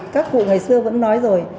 các phụ ngày xưa vẫn nói rồi